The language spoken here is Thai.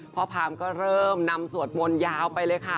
พามก็เริ่มนำสวดมนต์ยาวไปเลยค่ะ